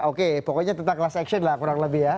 oke pokoknya tentang kelas action lah kurang lebih ya